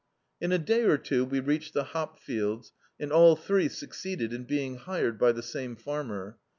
In a day or two we reached the hop fields and all three succeeded in being hired by the same farmer.